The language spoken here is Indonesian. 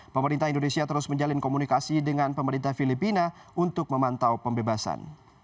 pemerintah indonesia terus menjalin komunikasi dengan pemerintah filipina untuk memantau pembebasan